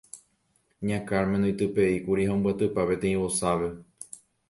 Ña Carmen oitypeíkuri ha ombyatypa peteĩ vosápe.